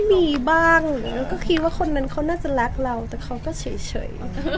ก็มีบ้างก็คิดว่าคนนั้นเขาน่าจะรักเราแต่เขาก็เฉย